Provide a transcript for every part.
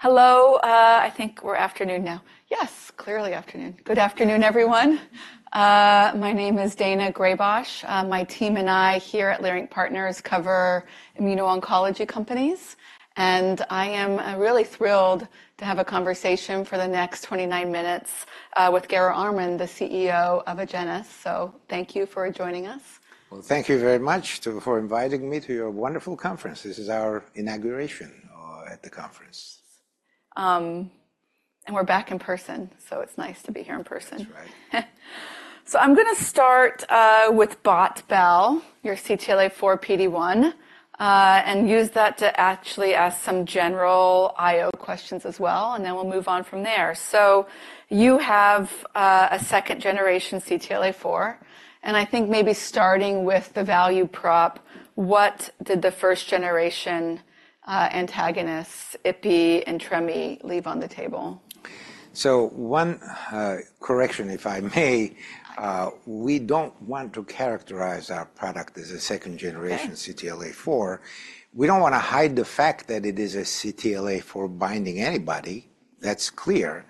Hello, I think we're afternoon now. Yes, clearly afternoon. Good afternoon, everyone. My name is Daina Graybosch. My team and I here at Leerink Partners cover immuno-oncology companies, and I am really thrilled to have a conversation for the next 29 minutes with Garo Armen, the CEO of Agenus. So thank you for joining us. Well, thank you very much to for inviting me to your wonderful conference. This is our inauguration, at the conference. We're back in person, so it's nice to be here in person. So I'm gonna start with botensilimab, your CTLA-4 PD-1, and use that to actually ask some general I/O questions as well, and then we'll move on from there. So you have a second-generation CTLA-4, and I think maybe starting with the value prop, what did the first-generation antagonists, Ipi and Tremi, leave on the table? So, one correction, if I may, we don't want to characterize our product as a second-generation CTLA4. We don't wanna hide the fact that it is a CTLA4 binding antibody. That's clear.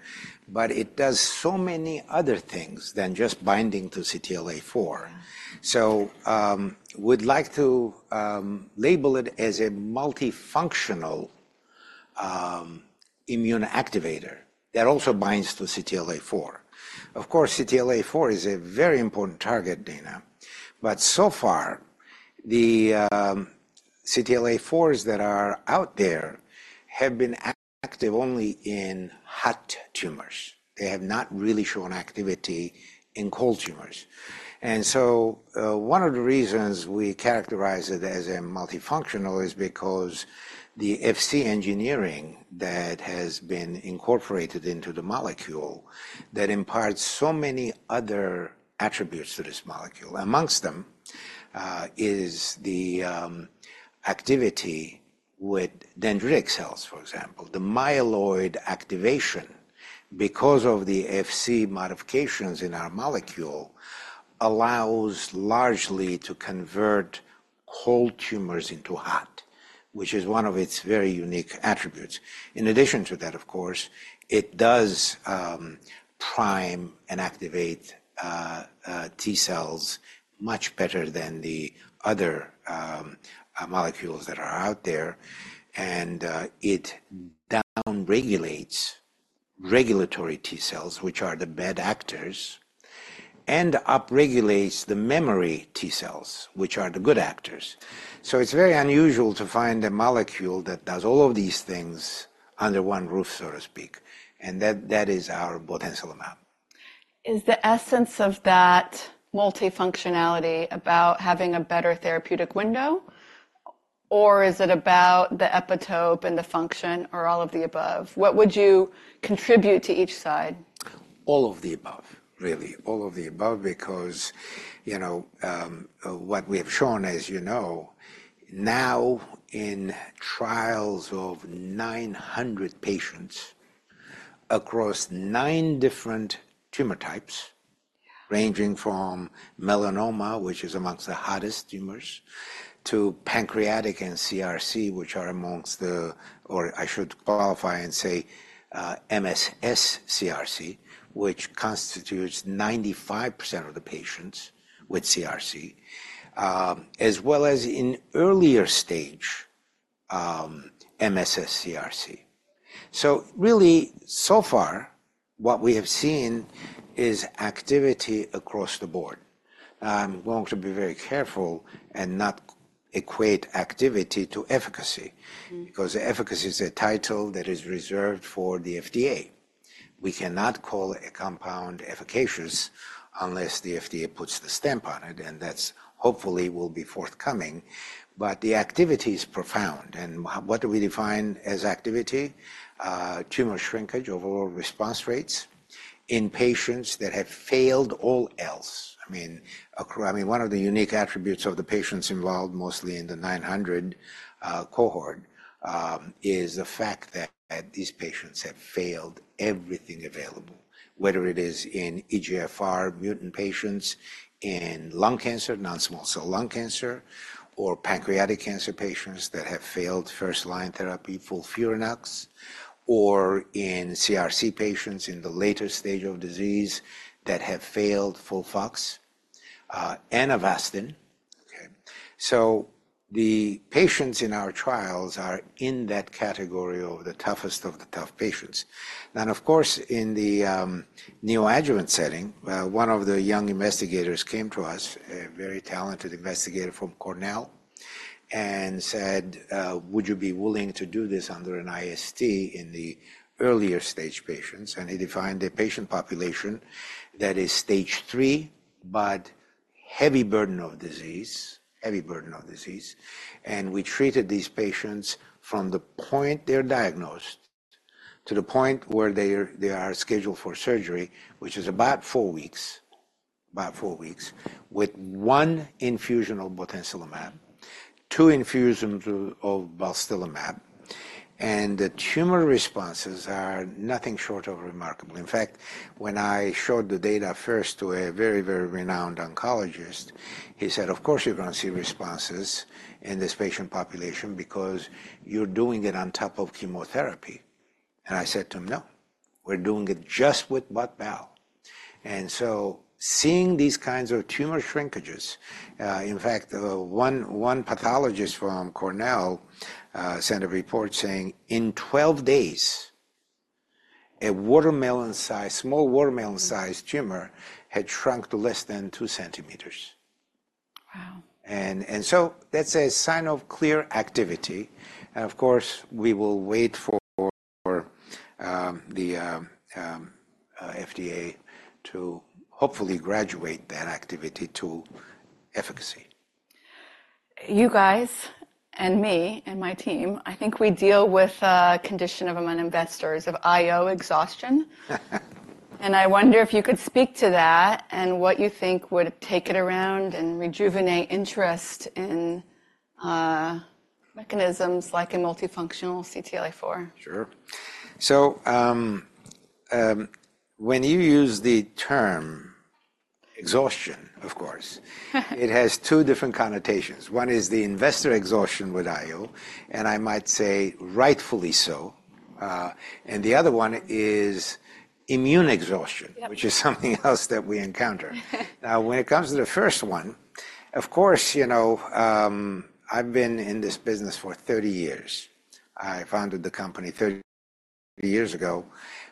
But it does so many other things than just binding to CTLA4. So, we'd like to label it as a multifunctional, immune activator that also binds to CTLA4. Of course, CTLA4 is a very important target, Daina. But so far, the CTLA4s that are out there have been active only in hot tumors. They have not really shown activity in cold tumors. And so, one of the reasons we characterize it as a multifunctional is because the Fc engineering that has been incorporated into the molecule that imparts so many other attributes to this molecule, amongst them, is the activity with dendritic cells, for example. The myeloid activation, because of the Fc modifications in our molecule, allows largely to convert cold tumors into hot, which is one of its very unique attributes. In addition to that, of course, it does prime and activate T cells much better than the other molecules that are out there. It down-regulates regulatory T cells, which are the bad actors, and up-regulates the memory T cells, which are the good actors. So it's very unusual to find a molecule that does all of these things under one roof, so to speak. And that is our botensilimab. Is the essence of that multifunctionality about having a better therapeutic window? Or is it about the epitope and the function, or all of the above? What would you contribute to each side? All of the above, really. All of the above because, you know, what we have shown, as you know, now in trials of 900 patients across 9 different tumor types, ranging from melanoma, which is amongst the hottest tumors, to pancreatic and CRC, which are amongst the, or I should qualify and say, MSS-CRC, which constitutes 95% of the patients with CRC, as well as in earlier stage, MSS-CRC. So really, so far, what we have seen is activity across the board. I'm going to be very careful and not equate activity to efficacy. Because efficacy is a title that is reserved for the FDA. We cannot call a compound efficacious unless the FDA puts the stamp on it, and that's hopefully will be forthcoming. But the activity is profound. And what do we define as activity? Tumor shrinkage, overall response rates. In patients that have failed all else, I mean, across, I mean, one of the unique attributes of the patients involved, mostly in the 900 cohort, is the fact that these patients have failed everything available. Whether it is in EGFR mutant patients, in lung cancer, non-small cell lung cancer, or pancreatic cancer patients that have failed first-line therapy, FOLFIRINOX. Or in CRC patients in the latest stage of disease that have failed FOLFOX, Avastin. So the patients in our trials are in that category of the toughest of the tough patients. Now, of course, in the neoadjuvant setting, one of the young investigators came to us, a very talented investigator from Cornell, and said, would you be willing to do this under an IST in the earlier stage patients? And he defined a patient population that is stage three, but heavy burden of disease, heavy burden of disease. We treated these patients from the point they're diagnosed to the point where they're scheduled for surgery, which is about four weeks. About four weeks. With one infusion of botensilimab. Two infusions of balstilimab. And the tumor responses are nothing short of remarkable. In fact, when I showed the data first to a very, very renowned oncologist, he said, of course you're going to see responses in this patient population because you're doing it on top of chemotherapy. And I said to him, no. We're doing it just with botensilimab. And so seeing these kinds of tumor shrinkages, in fact, one pathologist from Cornell sent a report saying in 12 days, a watermelon-sized, small watermelon-sized tumor had shrunk to less than two centimeters. And so that's a sign of clear activity. And of course, we will wait for the FDA to hopefully graduate that activity to efficacy. You guys and me and my team, I think we deal with a condition of among investors of I/O exhaustion. And I wonder if you could speak to that and what you think would take it around and rejuvenate interest in mechanisms like a multifunctional CTLA-4. Sure. So, when you use the term exhaustion, of course, it has two different connotations. One is the investor exhaustion with I/O, and I might say rightfully so. And the other one is immune exhaustion, which is something else that we encounter. Now, when it comes to the first one, of course, you know, I've been in this business for 30 years. I founded the company 30 years ago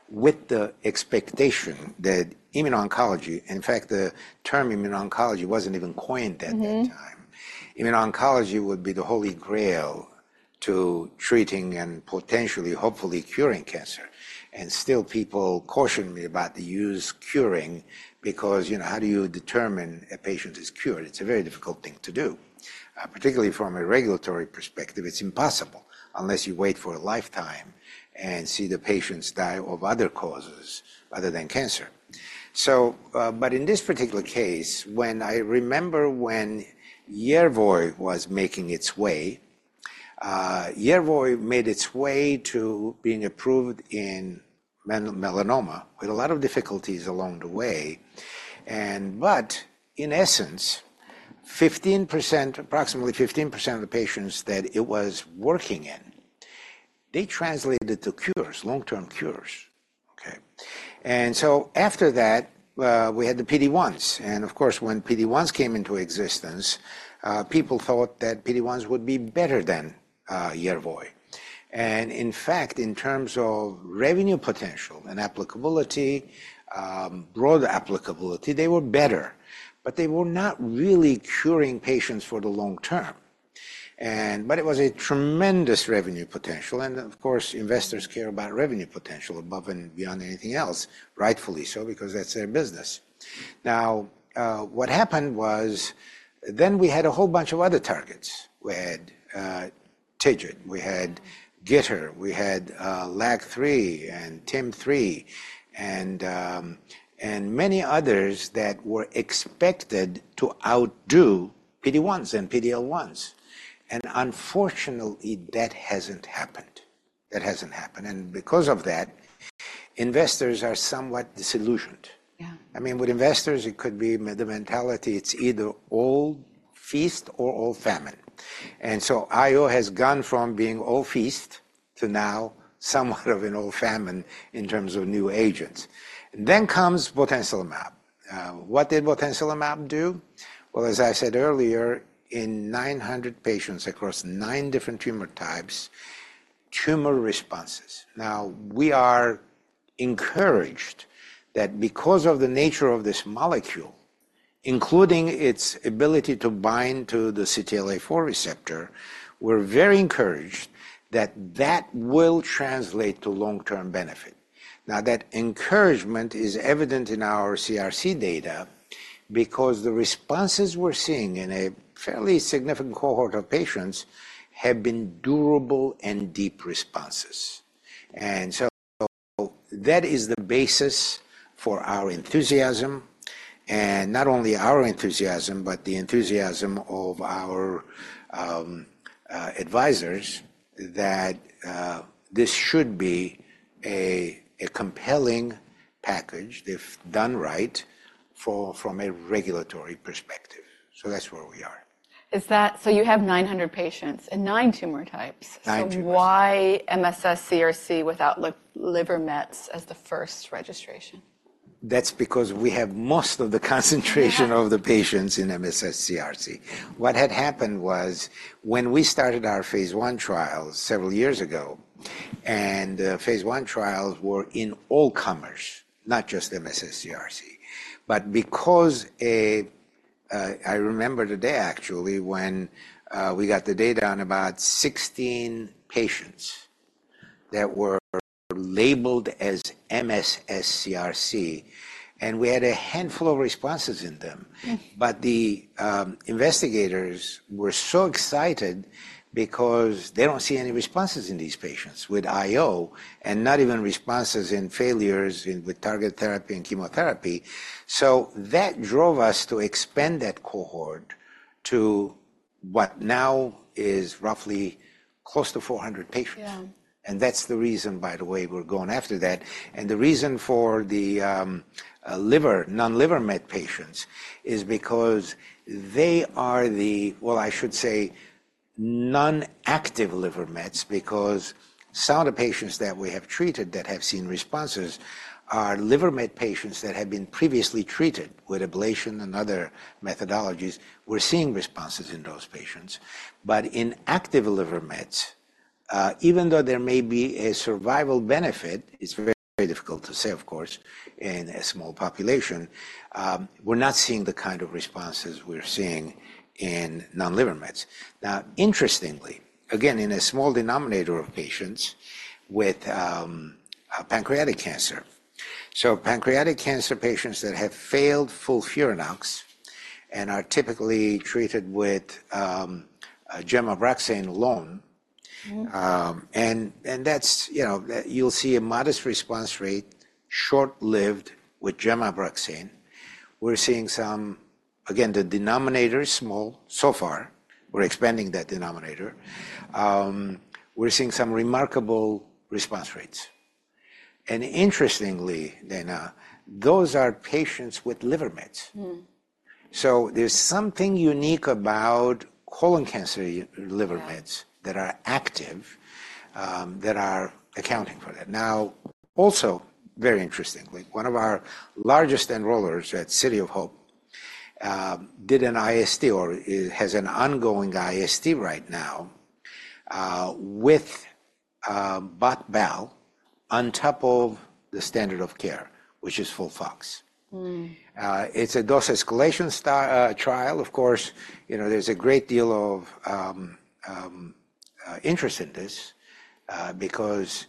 with the expectation that immuno-oncology in fact, the term immuno-oncology wasn't even coined at that time. Immuno-oncology would be the holy grail to treating and potentially, hopefully, curing cancer. And still, people caution me about the use curing because, you know, how do you determine a patient is cured? It's a very difficult thing to do. Particularly from a regulatory perspective, it's impossible unless you wait for a lifetime and see the patients die of other causes other than cancer. So, but in this particular case, when I remember when Yervoy was making its way, Yervoy made its way to being approved in melanoma with a lot of difficulties along the way. But in essence, 15%, approximately 15% of the patients that it was working in, they translated to cures, long-term cures. So after that, we had the PD1s. And of course, when PD1s came into existence, people thought that PD1s would be better than Yervoy. And in fact, in terms of revenue potential and applicability, broad applicability, they were better. But they were not really curing patients for the long term. But it was a tremendous revenue potential. And of course, investors care about revenue potential above and beyond anything else. Rightfully so, because that's their business. Now, what happened was then we had a whole bunch of other targets. We had TIGIT. We had GITR. We had LAG-3 and TIM-3. And many others that were expected to outdo PD-1s and PD-L1s. And unfortunately, that hasn't happened. That hasn't happened. And because of that, investors are somewhat disillusioned. I mean, with investors, it could be the mentality it's either feast or famine. And so I/O has gone from being feast to now somewhat of a famine in terms of new agents. Then comes botensilimab. What did botensilimab do? Well, as I said earlier, in 900 patients across nine different tumor types, tumor responses. Now, we are encouraged that because of the nature of this molecule, including its ability to bind to the CTLA-4 receptor, we're very encouraged that that will translate to long-term benefit. Now, that encouragement is evident in our CRC data because the responses we're seeing in a fairly significant cohort of patients have been durable and deep responses. And so that is the basis for our enthusiasm. Not only our enthusiasm, but the enthusiasm of our advisors that this should be a compelling package if done right for from a regulatory perspective. So that's where we are. Is that so you have 900 patients and nine tumor types? So why MSS-CRC without liver mets as the first registration? That's because we have most of the concentration of the patients in MSS-CRC. What had happened was when we started our phase 1 trials several years ago, and the phase 1 trials were in all-comers, not just MSS-CRC. But because, I remember the day actually when we got the data on about 16 patients that were labeled as MSS-CRC. And we had a handful of responses in them. But the investigators were so excited because they don't see any responses in these patients with I/O and not even responses in failures with targeted therapy and chemotherapy. So that drove us to expand that cohort to what now is roughly close to 400 patients. And that's the reason, by the way, we're going after that. And the reason for the liver non-liver mets patients is because they are the, well, I should say, non-active liver mets because some of the patients that we have treated that have seen responses are liver mets patients that have been previously treated with ablation and other methodologies. We're seeing responses in those patients. But in active liver mets, even though there may be a survival benefit, it's very difficult to say, of course, in a small population. We're not seeing the kind of responses we're seeing in non-liver mets. Now, interestingly, again, in a small denominator of patients with pancreatic cancer. So pancreatic cancer patients that have failed FOLFIRINOX and are typically treated with Gem/Abraxane alone. And that's, you know, you'll see a modest response rate short-lived with Gem/Abraxane. We're seeing some, again, the denominator is small so far. We're expanding that denominator. We're seeing some remarkable response rates. Interestingly, Daina, those are patients with liver mets. So there's something unique about colon cancer liver mets that are active, that are accounting for that. Now, also, very interestingly, one of our largest enrollers at City of Hope did an IST or has an ongoing IST right now, with botensilimab on top of the standard of care, which is FOLFOX. It's a dose escalation trial. Of course, you know, there's a great deal of interest in this, because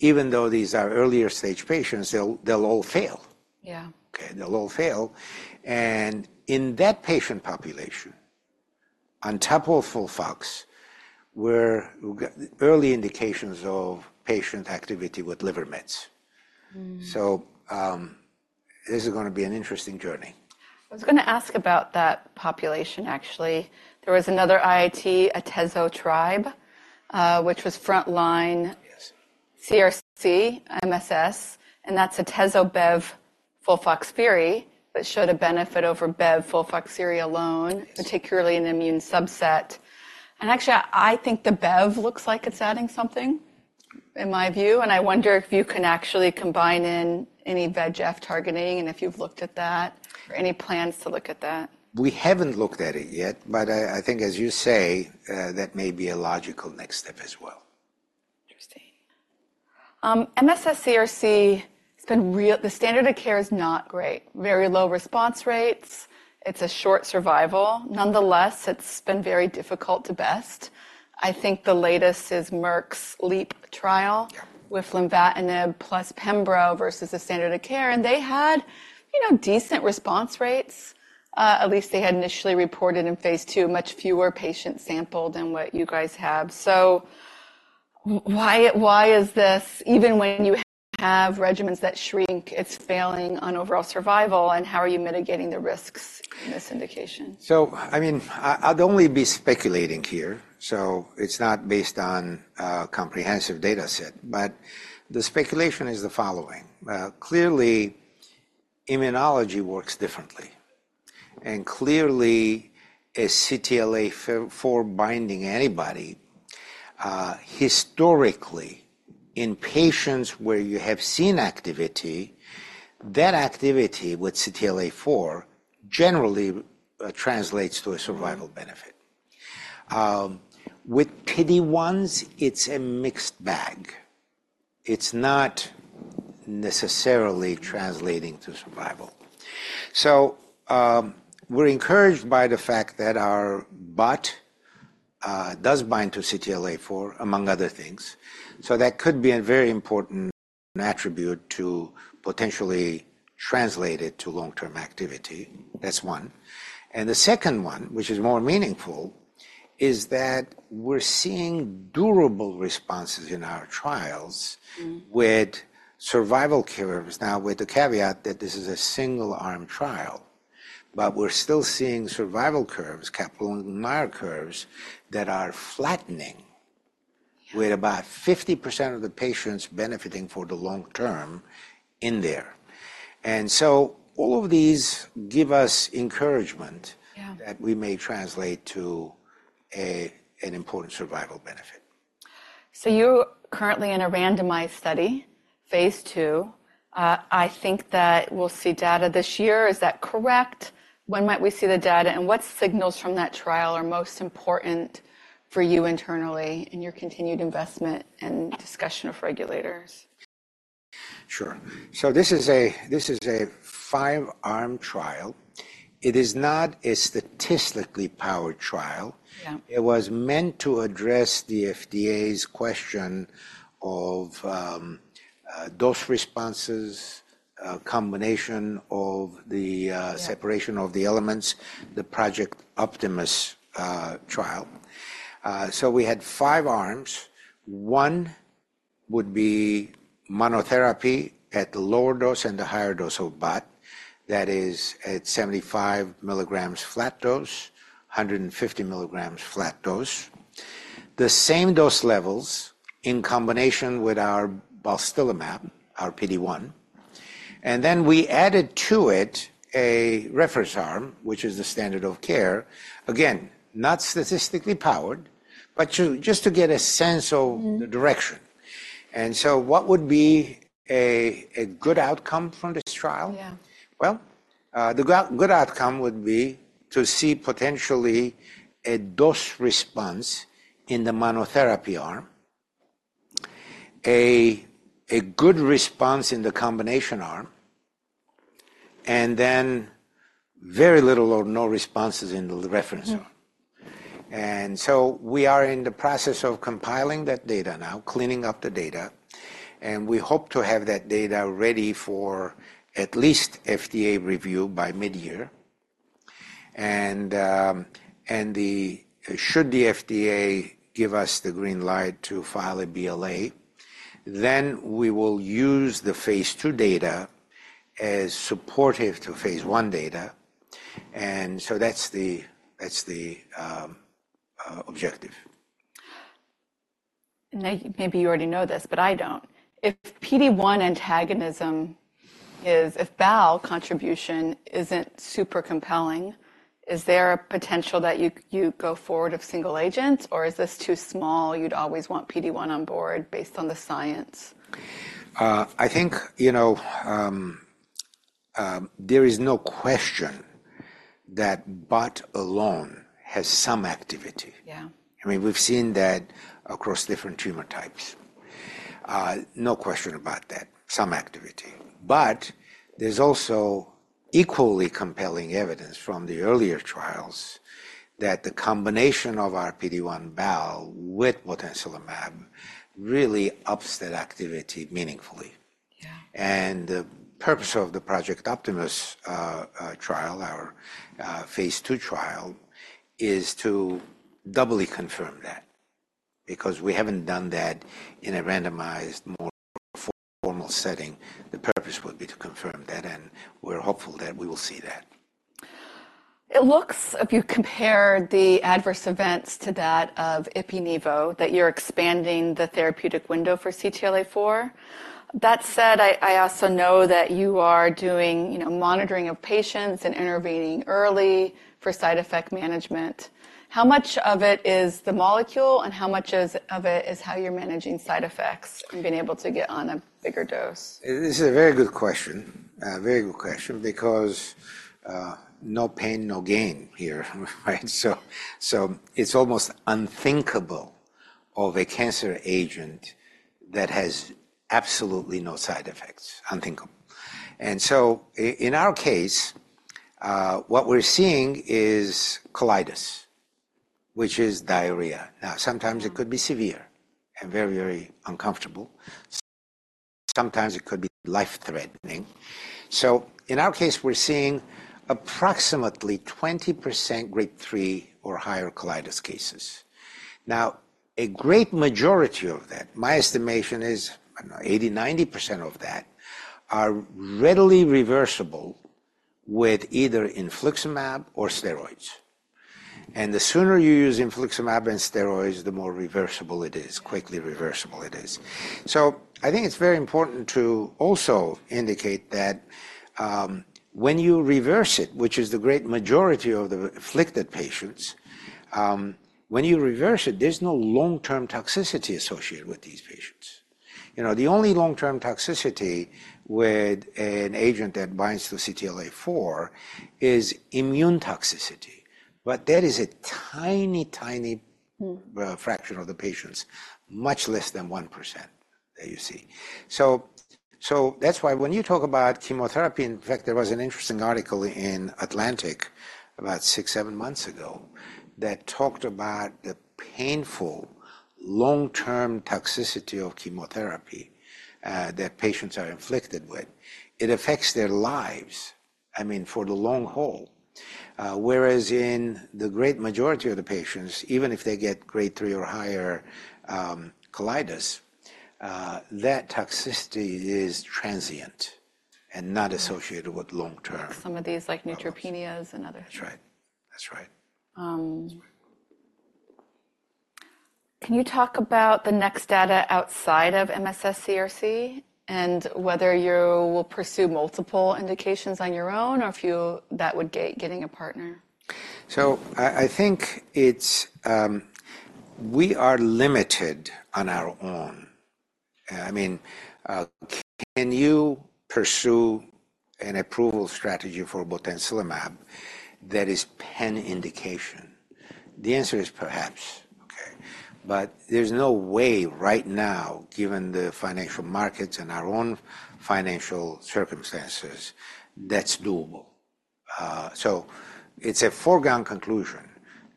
even though these are earlier stage patients, they'll, they'll all fail. Okay. They'll all fail. In that patient population, on top of FOLFOX, we're early indications of patient activity with liver mets. This is going to be an interesting journey. I was going to ask about that population, actually. There was another IIT, atezolizumab, which was frontline CRC, MSS. That's atezo-bev FOLFOX/FOLFIRI that showed a benefit over Bev FOLFOX/FOLFIRI alone, particularly in immune subset. Actually, I think the Bev looks like it's adding something in my view. I wonder if you can actually combine in any VEGF targeting and if you've looked at that or any plans to look at that. We haven't looked at it yet, but I think as you say, that may be a logical next step as well. Interesting. MSS-CRC, it's been really the standard of care is not great. Very low response rates. It's a short survival. Nonetheless, it's been very difficult to best. I think the latest is Merck's LEAP trial with lenvatinib plus Pembro versus the standard of care. And they had, you know, decent response rates. At least they had initially reported in phase 2 much fewer patients sampled than what you guys have. So why, why is this even when you have regimens that shrink, it's failing on overall survival and how are you mitigating the risks in this indication? So, I mean, I'd only be speculating here. So it's not based on a comprehensive data set. But the speculation is the following. Clearly, immunology works differently. And clearly, a CTLA-4 binding antibody, historically, in patients where you have seen activity, that activity with CTLA-4 generally, translates to a survival benefit. With PD-1s, it's a mixed bag. It's not necessarily translating to survival. So, we're encouraged by the fact that our Bot, does bind to CTLA-4 among other things. So that could be a very important attribute to potentially translate it to long-term activity. That's one. And the second one, which is more meaningful, is that we're seeing durable responses in our trials with survival curves now with the caveat that this is a single-arm trial. But we're still seeing survival curves, Kaplan-Meier curves that are flattening with about 50% of the patients benefiting for the long term in there. All of these give us encouragement that we may translate to an important survival benefit. So you're currently in a randomized study, phase 2. I think that we'll see data this year. Is that correct? When might we see the data? And what signals from that trial are most important for you internally in your continued investment and discussion of regulators? Sure. This is a five-arm trial. It is not a statistically powered trial. It was meant to address the FDA's question of dose responses, combination of the separation of the elements, the Project Optimus trial. So we had five arms. One would be monotherapy at the lower dose and the higher dose of Bot. That is at 75 milligrams flat dose, 150 milligrams flat dose. The same dose levels in combination with our balstilimab, our PD1. And then we added to it a regorafenib, which is the standard of care. Again, not statistically powered, but just to get a sense of the direction. So what would be a good outcome from this trial? Well, the good outcome would be to see potentially a dose response in the monotherapy arm. A good response in the combination arm. And then very little or no responses in the refractory arm. And so we are in the process of compiling that data now, cleaning up the data. And we hope to have that data ready for at least FDA review by mid-year. And then, should the FDA give us the green light to file a BLA, then we will use the phase 2 data as supportive to phase 1 data. And so that's the objective. Maybe you already know this, but I don't. If PD-1 antagonism is if bal contribution isn't super compelling, is there a potential that you go forward of single agents or is this too small? You'd always want PD-1 on board based on the science. I think, you know, there is no question that Bot alone has some activity. I mean, we've seen that across different tumor types. No question about that. Some activity. But there's also equally compelling evidence from the earlier trials that the combination of our PD-1 balstilimab with botensilimab really ups that activity meaningfully. The purpose of the Project Optimus trial, our phase 2 trial, is to doubly confirm that. Because we haven't done that in a randomized, more formal setting. The purpose would be to confirm that. We're hopeful that we will see that. It looks, if you compare the adverse events to that of ipi-nivo, that you're expanding the therapeutic window for CTLA-4. That said, I also know that you are doing, you know, monitoring of patients and intervening early for side effect management. How much of it is the molecule and how much of it is how you're managing side effects and being able to get on a bigger dose? This is a very good question. A very good question because, no pain, no gain here, right? So, so it's almost unthinkable of a cancer agent that has absolutely no side effects. Unthinkable. And so in our case, what we're seeing is colitis, which is diarrhea. Now, sometimes it could be severe and very, very uncomfortable. Sometimes it could be life-threatening. So in our case, we're seeing approximately 20% grade 3 or higher colitis cases. Now, a great majority of that, my estimation is, I don't know, 80%, 90% of that are readily reversible with either infliximab or steroids. And the sooner you use infliximab and steroids, the more reversible it is, quickly reversible it is. So I think it's very important to also indicate that, when you reverse it, which is the great majority of the afflicted patients, when you reverse it, there's no long-term toxicity associated with these patients. You know, the only long-term toxicity with an agent that binds to CTLA-4 is immune toxicity. But that is a tiny, tiny fraction of the patients, much less than 1% that you see. That's why when you talk about chemotherapy, in fact, there was an interesting article in Atlantic about 6-7 months ago that talked about the painful long-term toxicity of chemotherapy, that patients are afflicted with. It affects their lives, I mean, for the long haul. Whereas in the great majority of the patients, even if they get grade 3 or higher, colitis, that toxicity is transient and not associated with long-term. Some of these, like neutropenias and other things. That's right. Can you talk about the next data outside of MSS-CRC and whether you will pursue multiple indications on your own or if you that would get getting a partner? So, I think it's we are limited on our own. I mean, can you pursue an approval strategy for botensilimab that is pan-indication? The answer is perhaps. Okay. But there's no way right now, given the financial markets and our own financial circumstances, that's doable. So it's a foregone conclusion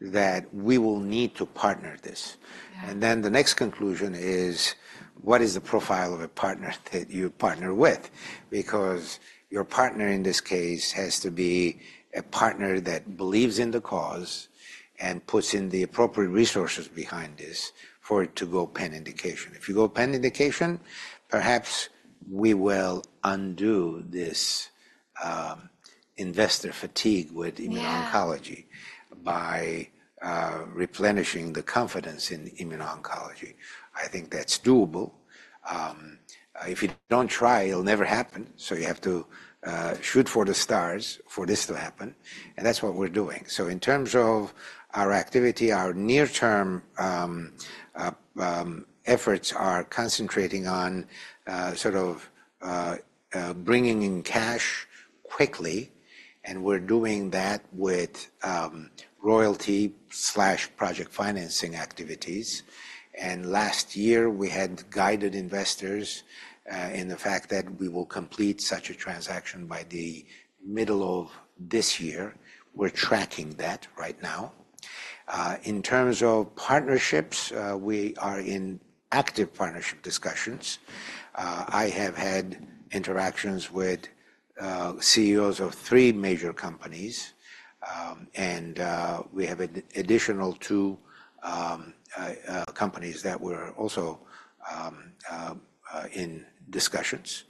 that we will need to partner this. And then the next conclusion is what is the profile of a partner that you partner with? Because your partner in this case has to be a partner that believes in the cause and puts in the appropriate resources behind this for it to go pan-indication. If you go pan-indication, perhaps we will undo this investor fatigue with immuno-oncology by replenishing the confidence in immuno-oncology. I think that's doable. If you don't try, it'll never happen. So you have to shoot for the stars for this to happen. That's what we're doing. So in terms of our activity, our near-term efforts are concentrating on sort of bringing in cash quickly. And we're doing that with royalty slash project financing activities. And last year, we had guided investors in the fact that we will complete such a transaction by the middle of this year. We're tracking that right now. In terms of partnerships, we are in active partnership discussions. I have had interactions with CEOs of 3 major companies. And we have additional 2 companies that were also in discussions.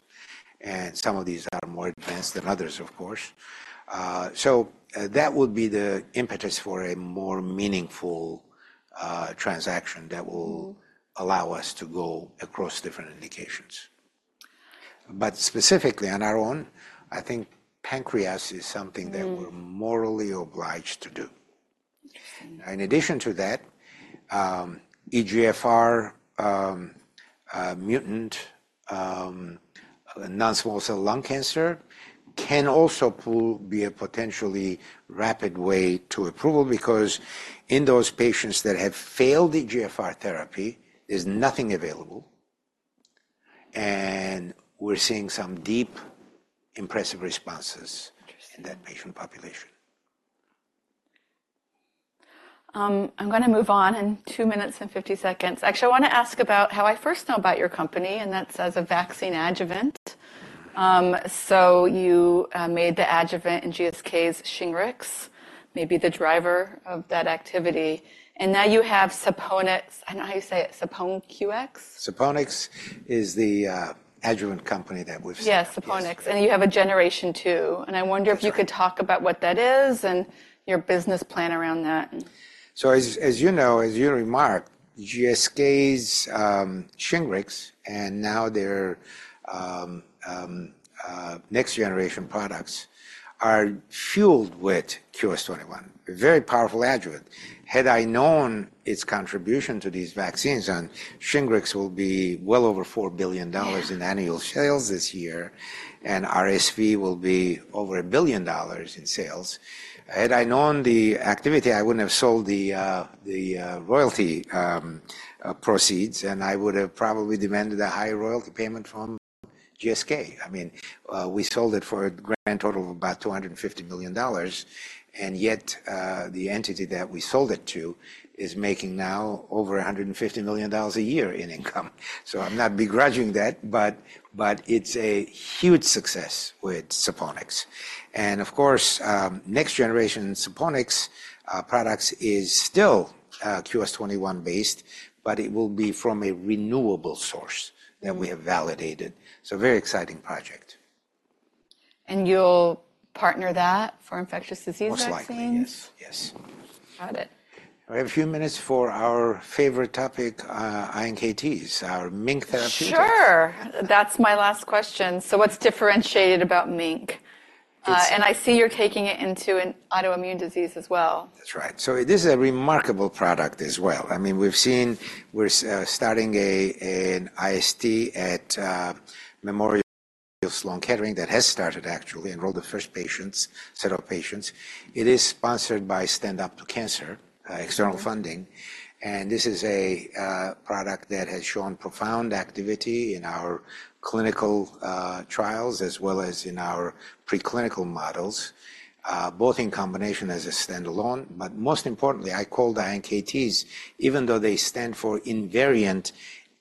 And some of these are more advanced than others, of course. So that would be the impetus for a more meaningful transaction that will allow us to go across different indications. But specifically on our own, I think pancreas is something that we're morally obliged to do. In addition to that, EGFR-mutant non-small cell lung cancer can also be a potentially rapid way to approval because in those patients that have failed EGFR therapy, there's nothing available. And we're seeing some deep, impressive responses in that patient population. I'm going to move on in 2 minutes and 50 seconds. Actually, I want to ask about how I first know about your company. And that's as a vaccine adjuvant. So you made the adjuvant in GSK's Shingrix, maybe the driver of that activity. And now you have SaponiQx. I know how you say it. SaponiQx? SaponiQx is the adjuvant company that we've started. Yes, SaponiQx. You have a Generation 2. I wonder if you could talk about what that is and your business plan around that. So as you know, as you remark, GSK's Shingrix and now their next generation products are fueled with QS-21, a very powerful adjuvant. Had I known its contribution to these vaccines, Shingrix will be well over $4 billion in annual sales this year. And RSV will be over $1 billion in sales. Had I known the activity, I wouldn't have sold the royalty proceeds. And I would have probably demanded a higher royalty payment from GSK. I mean, we sold it for a grand total of about $250 million. And yet, the entity that we sold it to is making now over $150 million a year in income. So I'm not begrudging that, but it's a huge success with SaponiQx. And of course, next generation SaponiQx products is still QS-21 based, but it will be from a renewable source that we have validated. So very exciting project. You'll partner that for infectious disease vaccines? Most likely, yes. Yes. Got it. We have a few minutes for our favorite topic, iNKTs, our MiNK Therapeutics. Sure. That's my last question. So what's differentiated about MiNK? And I see you're taking it into an autoimmune disease as well. That's right. So this is a remarkable product as well. I mean, we're starting an IST at Memorial Sloan Kettering that has actually started and enrolled the first set of patients. It is sponsored by Stand Up to Cancer, external funding. And this is a product that has shown profound activity in our clinical trials as well as in our preclinical models, both in combination as a standalone. But most importantly, I call iNKTs, even though they stand for invariant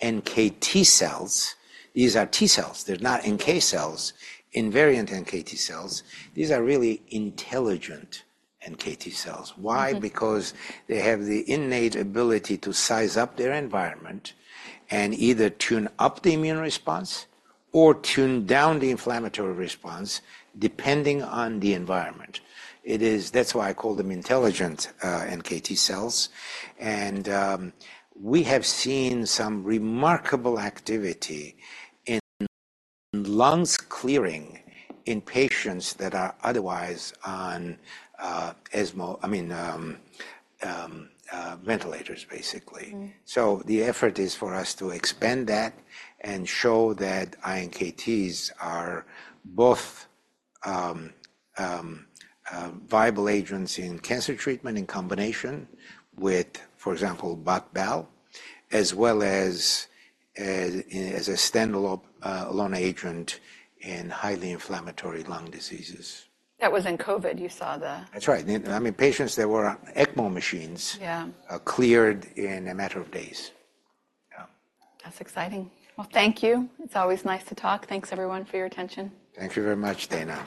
NKT cells, these are T cells. They're not NK cells, invariant NKT cells. These are really intelligent NKT cells. Why? Because they have the innate ability to size up their environment and either tune up the immune response or tune down the inflammatory response depending on the environment. That's why I call them intelligent NKT cells. We have seen some remarkable activity in lungs clearing in patients that are otherwise on ECMO. I mean, ventilators, basically. So the effort is for us to expand that and show that iNKTs are both viable agents in cancer treatment in combination with, for example, bot-bal, as well as a standalone agent in highly inflammatory lung diseases. That was in COVID. You saw the. That's right. I mean, patients that were on ECMO machines are cleared in a matter of days. Yeah. That's exciting. Well, thank you. It's always nice to talk. Thanks, everyone, for your attention. Thank you very much, Daina.